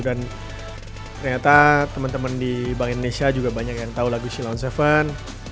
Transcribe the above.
dan ternyata teman teman di bank indonesia juga banyak yang tahu lagu shillong seven